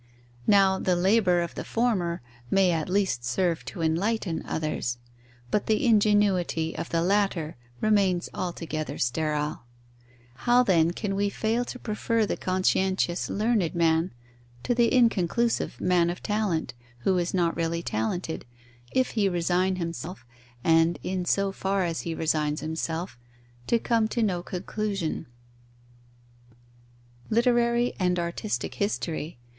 Now, the labour of the former may at least serve to enlighten others; but the ingenuity of the latter remains altogether sterile. How, then, can we fail to prefer the conscientious learned man to the inconclusive man of talent, who is not really talented, if he resign himself, and in so far as he resigns himself, to come to no conclusion? _Literary and artistic history.